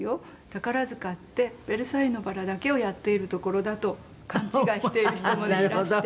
宝塚って『ベルサイユのばら』だけをやっているところだと勘違いしている人もいらして」